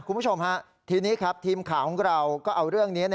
คุณผู้ชมฮะทีนี้ครับทีมข่าวของเราก็เอาเรื่องนี้